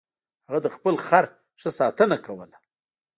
هغه د خپل خر ښه ساتنه کوله.